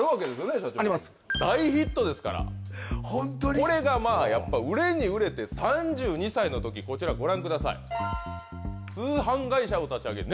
社長あります大ヒットですからこれがまあ売れに売れて３２歳のときこちらご覧ください